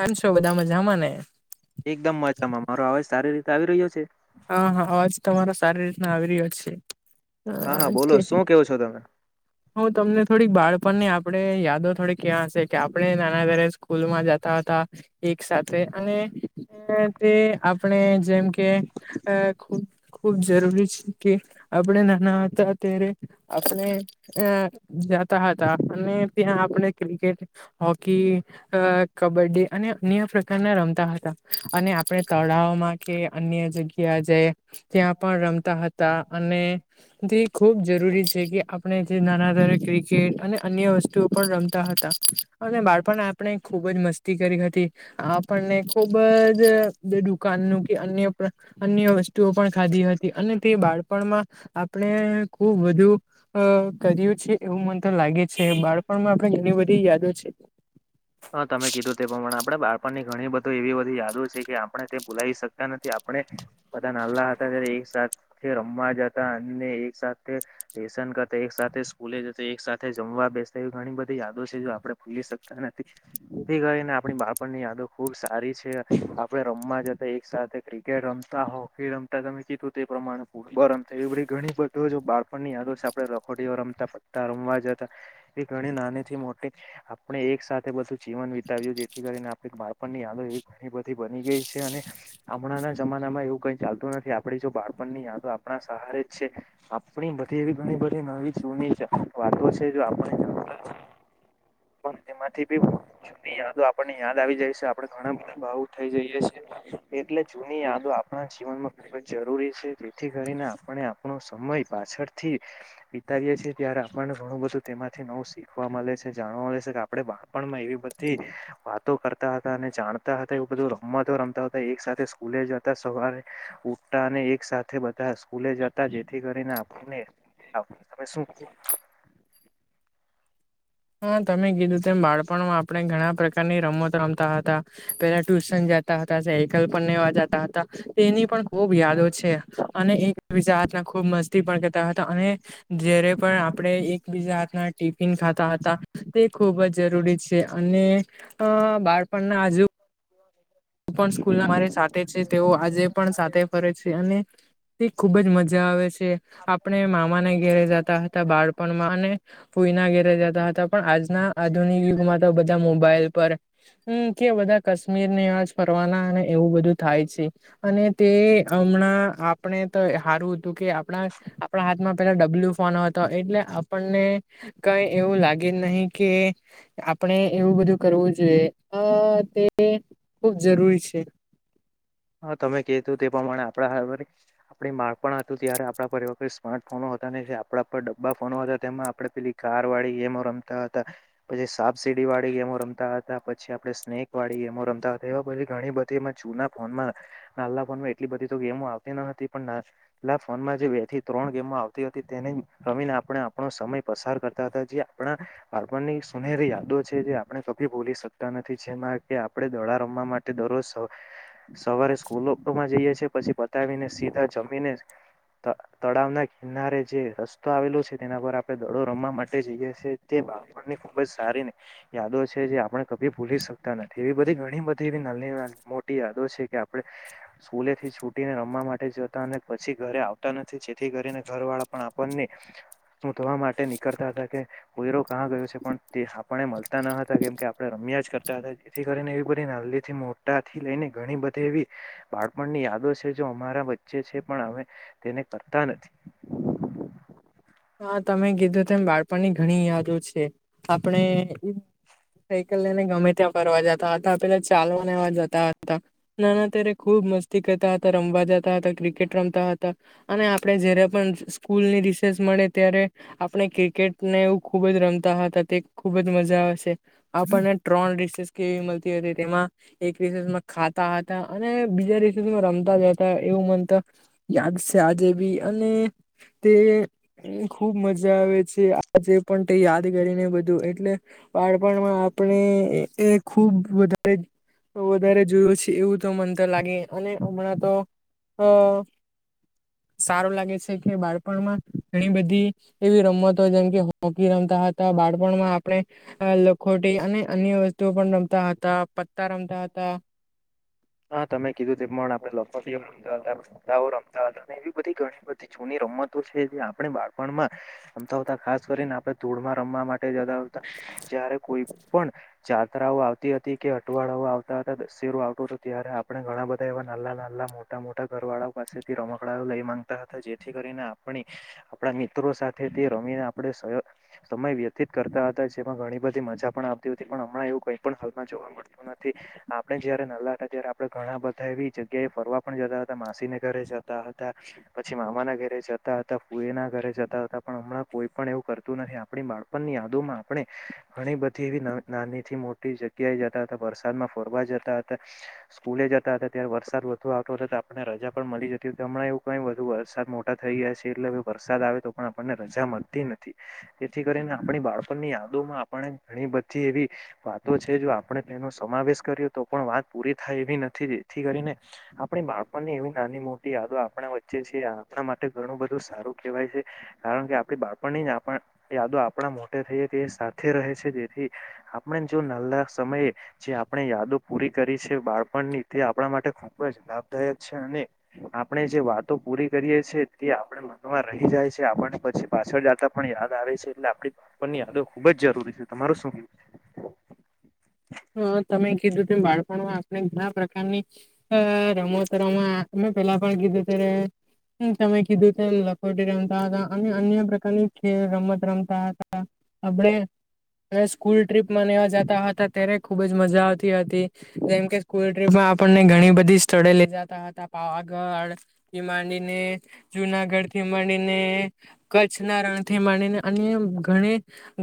આમ છો બધા મજામાં ને? એકદમ મજામાં મારો અવાજ સારી રીતે આવી રહ્યો છે. હા હા અવાજ તમારો સારી રીતના આવી રહ્યો છે હા હા બોલો હ શું કેવો છો [unintelligible] તમે હું તમને થોડીક બાળપણની આપણે યાદો થોડીક ક્યાં હશે કે આપણે નાના દારે સ્કૂલમાં જતા એક સાથે અને તે આપણે જેમ કે ખૂબ જરૂરી છે કે આપણે નાના હતા ત્યારે આપણે અ જતા હતા અને ત્યાં આપણે ક્રિકેટ હોકી કબડ્ડી અને અન્ય પ્રકારના રમતા હતા. અને આપણે તળાવમાં કે અન્ય જગ્યા જે ત્યાં પણ રમતા હતા અને તે ખુબ જરૂરી છે કે આપણે નાના ક્રિકેટ અને અન્ય વસ્તુઓ પણ રમતા હતા અને બાળપણ આપણે ખુબ જ મસ્તી કરી હતી આપણને ખુબ જ દુકાનનુ અન્ય વસ્તુઓ પણ ખાધી હતી અને તે બાળપણમાં આપણે ખુબ વધુ અ કર્યું છે એવું મને તો લાગે છે બાળપણમાં ઘણી બધી યાદો છે. હા તમે કીધું તે પ્રમાણે આપણે બાળપણની ઘણી બધી એવી બધી યાદો છે કે આપણે તે ભુલાવી શક્યા નથી આપણે બધા નાલ્લા હતા ત્યારે એકસાથ તે રમવા જતા અને એક સાથે લેશન કરતા એક સાથે સ્કૂલે જતા એક સાથે જમવા જોવા બેસતા એવી ઘણી બધી યાદો છે જો આપણે ભૂલી શકતા ને તે કરીને આપણી બાળપણની યાદો ખુબ સારી છે આપડે રમવા જતા એક સાથે ક્રિકેટ રમતા હોકી રમતા તમે કીધું તે પ્રમાણે થી ફૂટબૉલ રમતા ઘણી બધું જો બાળપણની યાદ રખોડીઓ રમતા પતા રમવા જતાએ ઘણી નાનીથી મોટી આપણે એક સાથે બધું જીવન વિતાવ્યું જેથી કરીને આપણે બાળપણની હાલત એવી ઘણી બધી બની ગઈ છે અને હમણાં ના જમાનામાં એવું કઈ ચાલતું નથી આપડી જો બાળપણની યાદોં આપણા સહારેજ છે આપણી બધી એવી ઘણી બધી નવી જૂની વાતો છે આપણે [unintelligible] જાતા પણ એમાંથી [inaudible] યાદો આપણને યાદ આવી જાય છે આપડણે ઘણા બધા ભાવુક થઈ જઈએ છીએ એટલે જૂની યાદો આપણા જીવનમાં ખૂબ જરૂરી છે જેથી કરીને આપણે આપણો સમય પાછળથી વિતા ી ત્યારે આપણને ઘણું બધું તેમાંથી નવું શીખવા મળે છે જાણવા મળે છે કે આપણે પણ એવી બધી વાતો કર અને જાણતા હતા એ બધું રમતો રમતા હતા એક સાથે સ્કૂલે જતા સવારે ઉઠતા અને એક સાથે બધા સ્કૂલે જ હતા જેથી કરીને આપુને- તમે શું [unintelligible] [inaudible] હા તમે કીધું તેમ બાળપણમાં આપણે ઘણા પ્રકારની રમત રમતા હતા. પેલા ટ્યુશન જતા હતા સાયકલ પણ લેવા જતા હતા એની પણ ખુબ યાદો છે અને એકબીજા હથના ખૂબ મસ્તી પણ કરતા હતા અને જ્યારે પણ આપે એકબીજા ના ટિફિન ખા હતા તે ખૂબ જ જરૂરી છે અને બાળપણના અજુ પણ સ્કૂલ મારી સાથે છે તેઓ આજે પણ સાથે ફરે છે અને તે ખુબજ મજા આવે છે આપણે મામાના ઘેરે જતા હતા બાળપણમાં અને ને ઘેરે જતાં હતા. આજના આધુનિક યુગમાં તો બધા મોબાઈલ પર કે અ બધા કશ્મીર ને આજ ફરવાના અને એવું બધું થાય છે અને તે હમણાં આપણે તો હારું હતું કે આપણા આપણા હાથમાં પેલો ડબલ્યુ ફોન હતો એટલે આપણને કઈ એવું લાગે નહી કે આપણે એવું બધું કરવું જોઈએ અ તે ખુબ જરૂરી છે. હા તમે કીધું તે પ્રમાણે આપણા આપ બાળપણ હતું ત્યારે આપણા પર એવો કોઈ સ્માર્ટફોન આપડા પર ડબ્બા ફોન હતા તેમાં આપડે પેલી કાર વાળી ગેમો રમતા હતા પછી સાપસીડી વાળી ગેમો રમતા હતા પછી આપડે સ્નેક વાળી ગેમો રમતા હતા એ પછી ઘણી બધી એમાં જૂના ફોનમાં નાલા ફોનમાં એટલી બધી તો ગેમો આવતી ન હતી પણ ના ફોનમાં જે બે થી ત્રણ ગેમો આવતી હતી તેને રમીને આપણે આપણો સમય પસાર કરતા હતા જે આપણા બાળપણની એક સુનેરી યાદો છે જે આપણે કભી ભૂલી શકતા નથી જેમાં કે આપણે દડા રમવા માટે દરરોજ સવા સવારે સ્કૂલોમાં જઈએ છે પછી પતાવીને સીધા જમીને ત તળાવ ના કિનારે જે રસ્તો આવેલો છે તેના પર આપણે દડો રમવા માટે જઈએ છીએ તે બાળપણ ની ખુબજ સારી ને યાદો છે જે આપણે કભી ભૂલી શકતા નથી એવી બધી ઘણી બધી એવી નાની મોટી યાદ યાદો છે કે આપણે સ્કૂલે થી છૂટીને રમવા માટે જતા અને પછી ઘરે આવતા નથી જેથી કરીને ઘર વાળા પણ આપણ ને શોધવા માટે નીકળતા હતા કે પોયરો કા ગયો છે પણ તે આપણને મળતા ન હતા કેમ કે આપણે રમ રમ્યા જ કરતા હતા જેથી કરીને એવી બધી નાલી થી મોટાથી લઈને ઘણી બધી એવી બાળપણની યાદો છે. જો અમારા વચ્ચે છે પણ અમે તેને કરતા નથી. [inaudible] હા તમે કીધું તેમ બાળપણની ઘણી યાદો છે. આપણે સાયકલ લઈને ગમે ત્યાં ફરવા જતા હતા પેલા ચાલવા ને એવા જતા હતા નાના ત્યારે ખુબ મસ્તી કરતા હતા, રમવા જતા હતા. ક્રિકેટ રમતા હતા અને આપણે જયારે પણ સ્કૂલની રિસેસ મળે ત્યારે આપણે ક્રિકેટને એવું ખુબ જ રમતા હતા તે ખુબ જ મજા આવશે. આપણને ત્રણ રિસેસ કેવી મળતી હતી તેમાં એક રિસેસ માં ખાતા હતા અને બીજા રીસે રીસેસ માં રમતા જતા એવું મન તો યાદ સે આજે બી અને તે ખુબ મજા આવે છે આજે પણ તે યાદ કરીને બધું એટલે બાળપણમાં આપણે એ ખુબ વધારે વધારે જોયું છે એવું તો મન તો લાગે અને હમણાં તો અ સારું લાગે છે કે બાળપણમાં ઘણી બધી એવી રમતો જેમ કે હોકી રમતા હતા. બાળપણમાં આપણે લોકો ખોટી અને અન્ય વસ્તુઓ પણ રમતા હતા. પત હા તમે કીધું તે મણાપ લખોટી ઓ રમતા હતા, [unintelligible] રમતા હતા એવી બધી ઘણી બધી જૂની રમતો છે જે આપણે બાળપણ માં રમતા હુંતા. ખાસ કરીને આપણે ધૂળમાં રમવા માટે જ્યારે કોઈ પણ જાત્રાઓ આવતી હતી કે અટવાળઓ આવ આવતા હતા. દશેરો આવટું હતું ત્યારે આપણે ઘણા બધા એવા નાલા નાલા મોટા મોટા ઘરવાળાઓ પાસેથી રમકડા લઈ માંગતા હતા જેથી કરીને આપડી આપણા મિત્રો સાથે તે રમીને આપણે સયો સમપ વ્યતીત કરતા હતા જેમાં ઘણી બધી મજા પણ આવતી હતી પણ હમણાં એવું કઈ પણ હાલમાં જોવા મળતું નથી. આપણે જયારે નાલા હતા ત્યારે આપડે ઘણા બધા એવી જગ્યાએ ફરવા પણ જતા હતા. માસીને ઘરે જતા હતી પછી મામા ના ઘરે જતા હતા, ફુય ના ઘરે જતા હતા પણ હમણાં કોઈ પણ એવું કરતું નથી. આપડી બાળપણની યાદો માં આપણે ઘણી બધી એવી નાની થી મોટી જગ્યાએ જતા હતા વરસાદ મા વરસાદમાં ફરવા જતા હતા સ્કૂલે જતા હતા ત્યારે વરસાદ વધુ આવતો હતો ત્યારે આપણને રજા પણ મળી જતી હતી. હમણાં એવું કય વરસાદ મોટા થઈ ગયા છે એટલે હવે વરસાદ આવે તો પણ આપણને રજા મળતી નથી. જેથી કરીને આપણી બાળણની યાદોમાં આપણે ઘણી બધી એવી વાતો છે. જો આપણે તેનો સમાવેશ કર્યો તો પણ વાત પૂરી થાય એવી નથી જેથી કરીને આપણી બાળપણની એવી નાની મોટી યા - યાદી આપણા વચ્ચે છે. આપણા માટે ઘણું બધું સારું કેહવાય છે કારણ કે આપડી બાળપણની જ આપ- યાદો આપણા મોટે થઈએ તે સાથે રહે છે જેથી આપણે જો નાલા સમયે જે આપણે યાદો પૂરી કરી છે બાળપણની તે આપણા માટે ખુબ જ લાભદાયક છે અને આપણે જે વાતો પૂરી કરીએ છીએ તે આપણે મનમાં રહી જાય છે આપણ પછી પાછળ જતા પણ યાદ આવે આવે છે એટલે આપડી પા્પન ની યાદો ખુબ જ જરૂરી છે તમારું શું? [inaudible] અ તમે કીધું તેમ બાળપણમાં આપણે ઘણા પ્રકારની અ રમત રમા અમે પેલા પણ કી ઘુ ત્યારે મ તમે કીધું તેમ લખોટી રમતા હતા અને અન્ય પ્રકારની ખેલ રમત રમતા હતા આપણે અ સ્કૂલ ટ્રીપમાં નેવા જતા હતા ત્યારે ખુબ જ મજા આવતી હતી જેમ કે સ્કૂલ ટ્રીપમાં આપણને ઘણી બધી સ્થળે લે જતા હતા પાવા ગઢ થી માંડીને જુનાગઢ થી માંડીને કચ્છના રણ થી માંડીને અન્ય ઘણે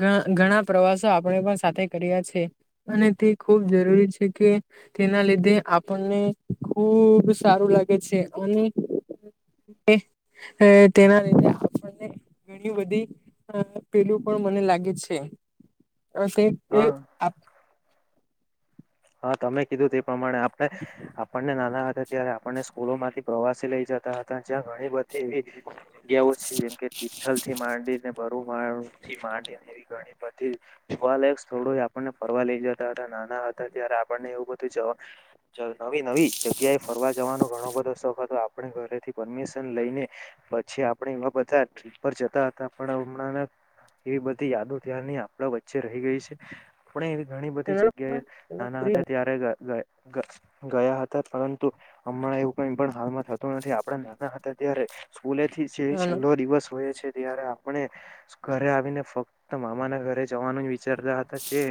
ઘ ઘણા પ્રવાસો આપણે પણ સાથે કર્યા છે. અને તે ખૂબ જરૂરી છે કે તેના લીધે આપણને ખુબ સારું લાગે છે, અને એ એ તનાને ઘણી બધી પેલું પણ મને લાગે છે. હા [unintelligible] હા તમે કીધું તે પ્રમાણે આપણે આપણ ને નાના હતા ત્યારે આપણને સ્કૂલો માંથી પ્રવાસી લઈ જતા હતા જ્યાં ઘણી બધી એવી જગ્યાવ છે જેમ કે તિથલ થી માંડીને બરુમાળ થી માંડીને ગણી જોવાયક સ્થળો આપણને ફરવા લઈ જતા હતા નાના હ તા ત્યારે આપણને એવું બધું જ જ નવી નવી જગ્યાએ ફરવા જવાનો ઘણો બધો શોખ હતો. આપણે ઘરેથી પરમિશન લઈને પછી આપણે એવા બધા ટ્રીપ પર જતા હતા પણ હમણાં ન એવી બધી યાદો તાયારની આપણા વચ્ચે રહી ગઈ છે, આપણે એવી ઘણી બધી જગ્યાએ હા નાના હતા ત્યારે ગ ગ ગયા હતા પરંતુ હમણાં એવું કઈ પણ હાલમાં થતું નથી આપણે નાના હતા ત્યારે સ્કૂલે થી જે છેલ્લો દિવસ હોય છે, ત્યારે આપણે ઘરે આવીને ફક્ત મામાના ઘરે જવાનું જ વિચારતા હતા જે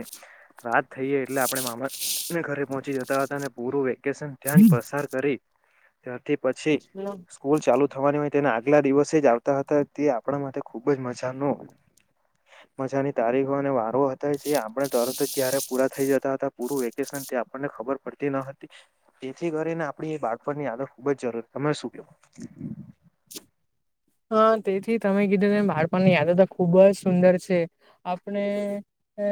રાત થઈયે એટલે આ પણે મામાને ઘરે પહોંચી જતા હતા અને પૂરું વેકેશન ત્યાં જ પસાર કરી ત થી પછી સ્કૂલ ચાલુ થવાની હોય તેને આગલા દિવસે જ આવતા હતા તે આપણા માટે ખુબ જ મજાનો મજાની તારીખો અને વારો હતા જે આપણે તરત જ ક્યારે પૂરા થઈ જ તા હતા પુરૂ વેકેશન તે આપણને ખબર પડતી ન હતી તેથી કરીને આપણી બાળપણની આદત ખુબ જ જરુર તમે શું કે? [inaudible] તેથી તમે કીધું તેમ બાળપણની યાદો તો ખુબ જ સુંદર છે. આપણે અ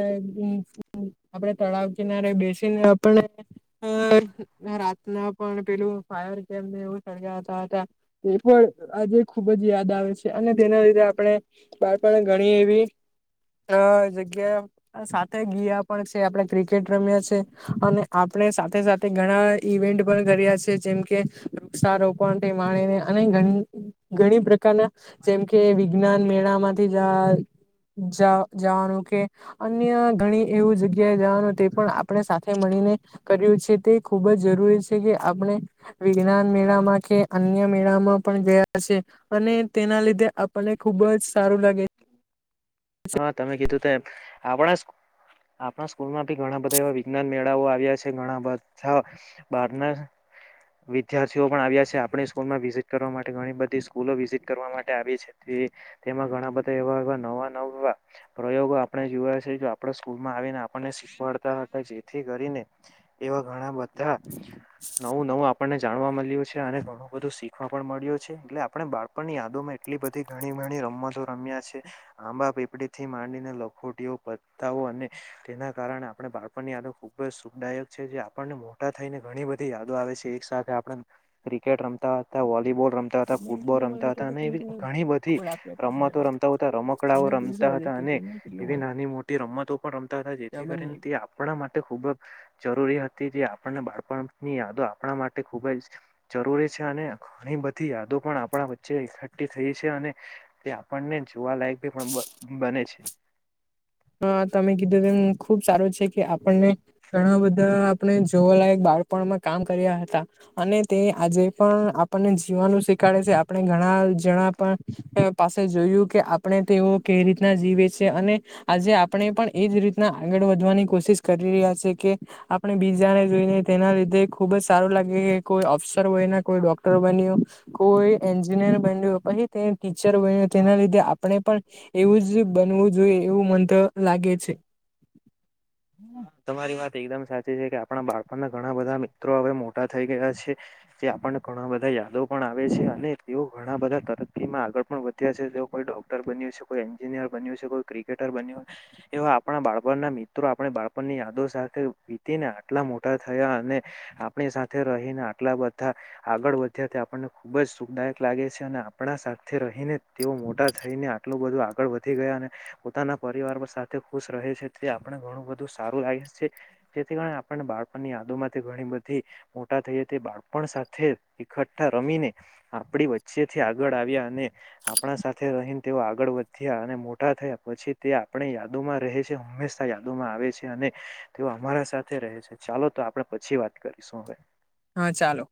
આપડે તળાવ કિનારે બેસીને આપણને રાતના પણ પેલું ફાયર કેમને એવું સળગાવતા હતા એ પણ આજે ખુબ જ યાદ આવે છે, અને તેના લીધે આપણે બાળપણ ઘણી એવી અ જગ્યા સાથે ગયા પણ છે, આપણે ક્રિકેટ રમ્યા છે અને આ પણે સાથે સાથે ઘણા ઈવેન્ટ પણ કર્યા છે, જેમકે વૃક્ષારોપણને માણીને અને ઘણી ઘણી પ્રકારના જેમ કે વિજ્ઞાનમેળા માંથી જ આ જ જવાનું કે અન્ય ઘણી એવું જ જગ્યાએ જવાનું તે પણ આપણે સાથે મળીને કર્યું છે તે ખુબ જ જરૂરી છે કે આપણે વિજ્ઞાન મેળામાં કે અન્ય મેળામાં પણ ગયા છે, અને તેના લીધે આપણને ખુબ જ સારું લાગે હા, તમે કીધુંતુ એમ આપણા આપણા સ્કૂલમાં બી ઘણા બધા એવા વિજ્ઞાન મેળાઓ આવ્યા છે, ઘણા બધા બારના વિદ્યાર્થીઓ પણ આવ્યા છે, આપણી સ્કૂલમાં વિઝિટ કરવા માટે ઘણી બધી સ્કૂલો વિઝિટ કરવા માટે આવી છે, તે તેમાં ઘણા બધા એવા એવા નવા નવા પ્રયોગો આપણે જોયા છે, જે આપણે સ્કૂલમાં આવીને આપણને ખવાડતા હતા, જેથી કરીને એવા ઘણા બધા નવું નવું, આપણને જા મલ્યુ છે, અને ઘણું બધું શીખવા પણ મળ્યું છે, એટલે આપણે બાળપણ ની યાદોમાં એટલી બધી ઘણી મણી રમતો રમ્યા છે, આંબાળા પીપડી થી માંડીને લખોટીઓ પતાઓ અને તેના કા અને આપણે બાળપણની યાદો ખૂબ જ શુખદાયક છેજે, આપણને મોટા થઈને ઘણી બધી યાદો આવે છે, એક સાથે આપણે ક્રિકેટ રમતા હતા, વોલીબોલ રમતા હતા પેમેન્ટ ફૂટબોલ કેટલું રમતા મળે તો હતા, અને એવી કીધું ઘણી બધી કોડ આપ્યા રમતો કરતા રમતા હતા, રમકડાઓ તમે રમતા પૂછવા હતા કે અને પેમેન્ટ કેટલું એવી મળે નાની, મોટી રમતો પણ રમતા હતા જેથી જવાબ જ નહી કરી તે આપણા માટે, ખૂબ જરૂરી હતી, જે આપણને બાળપણની યાદો આપણા માટે ખૂબજ જરૂરી છે, અને બધી, યાદો પણ આપણા વચ્ચે એકઠઠી થઈ છે. અને તે આપણને જોવાલાયક બી પણ બ બને છે. હા, તમે કીધું એમ ખુબ સારો છે, કે આપણને ઘણા બધા જોવાલાયક બાળપણમાં કામ કર્યા હતા, અને તે આજે પણ આપનને જીવવાનું શી છે, આપણે ઘણા જણા પણ પાસે જોયું કે આપણે તેઓ કઈ રીતના જીવે છે છે, અને આજે આપણે પણ એજ રીતના આગળ વધવાની કોશિશ કરી રહ્યા છે, કે આપણે બીજાને જોઈને તેના લીધે ખુબજ સારુ લાગે, કે કોઈ અફસર બયને કોઈ ડોક્ટર બન્યું કોઈ એન્જિનિ પછી તે ટીચર બન તેના લીધે આપણે પણ એવુ, જ બનવું જોઈ તો લાગે છે. તમારી વાત એકદમ સાચી છે કે આપણા બાળપણના ઘણા બધા મિત્રો હવે મોટા થઈ ગયા છે. આપણને ઘણા બધા યાદો પણ આવે છે, અને તેઓ ઘણા બધા તરક્કીમા આગળ પણ વધ્યા છે. તેઓ કોઈ ડો બન્યું છે, કોઈ એન્જિનિયર બન્યું છે, કોઈ ક્રિકેટર બન્યું એવા આપણા બાળપણના મિ ત્રો આપણે, બાળપણની યાદો સાથે વીતીને આટલા મોટા થયા, અને આપણી સાથે રહીને લા બધા આગળ વધ્યા આપણને ખુબ જ સુખદાયક લાગે છે, અને આપણા સાથે રહીને તે મોટા થઈને, આટલું બધું આગળ વધી ગયા અને પોતાના પરિવારમા સાથે ખુશ રહે છે, તે ઘણું બધું સારું આયસ છે, જેથી કારણે આપણને બાળપણની યાદોમાંથી ઘણી, બધી મોટા થઈ તે બાળપણ સાથે, એકઠ્ઠા રમીને આપડી વચ્ચેથી આગળ. આવ્યા અને આ આપણા સાથે રહીને, તેઓ આગળ વધ્યા અને મોટા થયા પછી, તે આપણી યાદોમાં રહે છે, હંમેશા યાદોમાં આવે છે, અને તેઓ અમારા સાથે રહે છે, ચાલો તો આપણે પછી વાત કરીશું હવે હા, ચાલો